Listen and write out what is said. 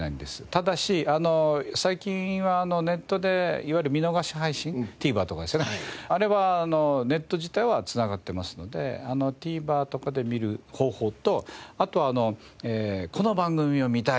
ただし最近はネットでいわゆる見逃し配信ＴＶｅｒとかですよねあれはネット自体は繋がってますのでＴＶｅｒとかで見る方法とあとこの番組を見たいと。